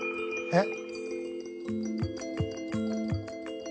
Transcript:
えっ？